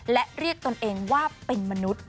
และเรียกตนเองว่าเป็นมนุษย์